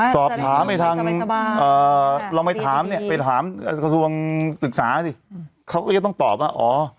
สอบถามไปทางลองไปถามเนี่ยไปถามกระทรวงศึกษาสิเขาก็จะต้องตอบว่าอ๋อ